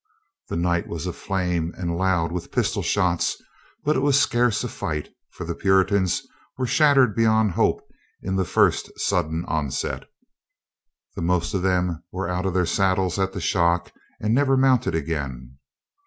The night was aflame and loud with pistol shots, but it was scarce a fight, for the Puritans were shattered beyond hope in the first sudden onset. The most of them were out of their saddles at the shock and never mounted again.